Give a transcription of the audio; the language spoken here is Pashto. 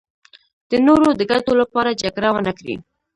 د نورو د ګټو لپاره جګړه ونکړي.